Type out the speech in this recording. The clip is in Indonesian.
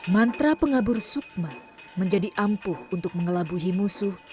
mantra pengabur sukma menjadi ampuh untuk mengelabuhi musuh